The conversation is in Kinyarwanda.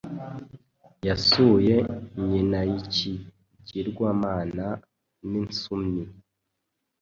yasuye nyinaikigirwamana Ninsuni